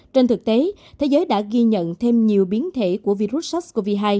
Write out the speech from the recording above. trên thực tế thế giới đã ghi nhận thêm nhiều biến thể của virus sars cov hai